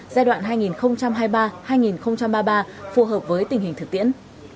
giai đoạn hai nghìn hai mươi ba hai nghìn ba mươi ba phù hợp với tình hình thực tiễn